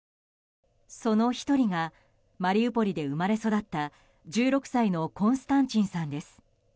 その１人がマリウポリで生まれ育った１６歳のコンスタンチンさんです。